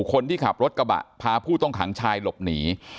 คนที่ขับรถกระบะพาผู้ต้องขังชายหลบหนี